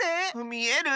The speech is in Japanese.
みえる？